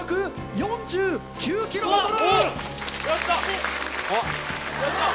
４８９キロバトル！